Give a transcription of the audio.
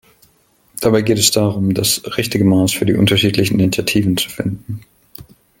Dabei geht es darum, dass richtige Maß für die unterschiedlichen Initiativen zu finden.